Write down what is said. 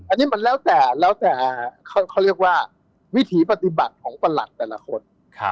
อันนี้มันแล้วแต่วิถีปฏิบัติของประหลักแต่ละคน